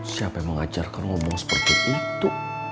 siapa yang mengajarkan ngomong seperti itu